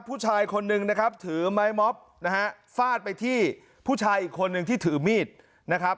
ผู้ชายคนนึงนะครับถือไม้ม็อบนะฮะฟาดไปที่ผู้ชายอีกคนนึงที่ถือมีดนะครับ